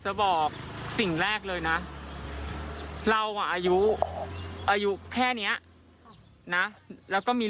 จะบอกสิ่งแรกเลยนะเราอ่ะอายุแค่เนี้ยนะแล้วก็มี